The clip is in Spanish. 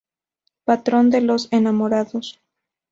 Patrón de los Enamorados".